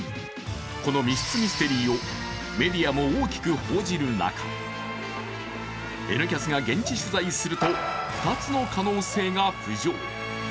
この密室ミステリーをメディアも大きく報じる中、「Ｎキャス」が現地取材すると、２つの可能性が浮上。